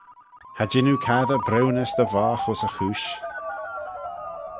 Cha jean oo cassey briwnys dty voght ayns e chooish.